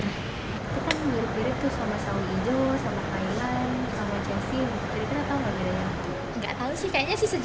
itu kan mirip mirip tuh sama sawi hijau sama kailan sama caisip jadi anda tahu gak miripnya